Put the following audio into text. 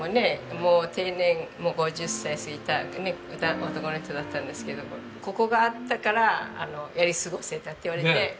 もう定年もう５０歳過ぎた男の人だったんですけどもここがあったからやり過ごせたって言われて。